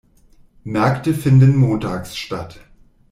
Märkte finden montags statt.